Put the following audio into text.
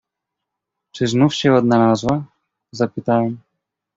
"„Czy znów się odnalazła?“ zapytałem."